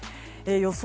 予想